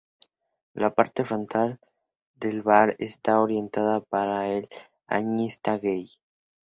La parte frontal del bar está orientada para el bañista gay.